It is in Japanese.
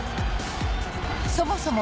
そもそも